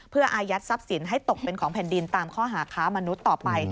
เพื่ออายัดทรัพย์สินให้ตกเป็นของแผ่นดินตามข้อหาค้ามนุษย์ต่อไป